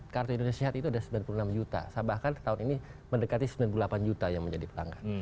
kartu indonesia sehat itu ada sembilan puluh enam juta saya bahkan tahun ini mendekati sembilan puluh delapan juta yang menjadi pelanggan